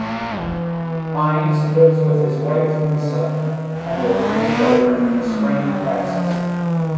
Hinds lives with his wife, Lisa, and their three children in Spring, Texas.